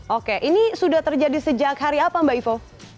oke ini sudah terjadi sejak hari apa mbak ivo